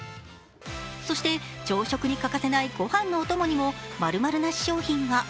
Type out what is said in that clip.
そして、朝食に欠かせないご飯のお供にも○○なし商品が。